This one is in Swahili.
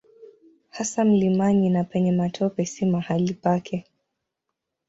Hasa mlimani na penye matope si mahali pake.